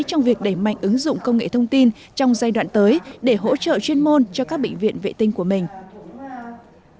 trong việc đẩy mạnh ứng dụng công nghệ thông tin trong giai đoạn tới để hỗ trợ chuyên môn cho các bệnh viện vệ tinh của mình